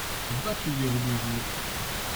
Va cueillir aux beaux jours